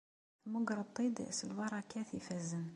Temmugreḍ-t-id s lbarakat ifazen.